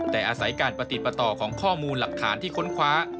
แต่อาศัยการประติดประต่อของข้อมูลหลักฐานที่ค้นคว้า